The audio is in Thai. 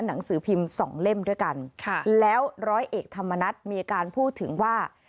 หนังสือพิมพ์สองเล่มด้วยกันค่ะแล้วร้อยเอกธรรมนัฐมีการพูดถึงว่า